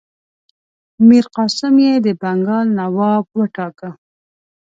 میرقاسم یې د بنګال نواب وټاکه.